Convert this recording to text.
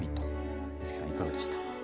柚希さん、いかがでした。